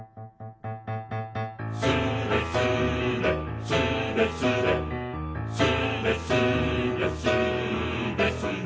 「スレスレスレスレ」「スレスレスーレスレ」